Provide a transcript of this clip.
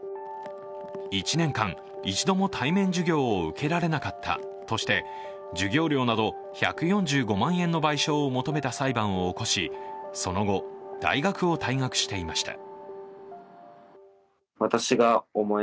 １年間、一度も対面授業を受けられなかったとして授業料など１４５万円の賠償を求めた裁判を起こし、その後、大学を退学していました。